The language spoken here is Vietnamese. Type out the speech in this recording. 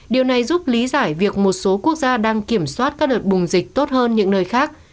điều này giúp lý giải việc một số quốc gia đang kiểm soát các đợt bùng dịch tốt hơn những nơi khác